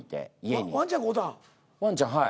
ワンちゃんはい。